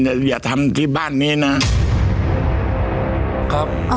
อย่าทำที่บ้านนี้นะครับ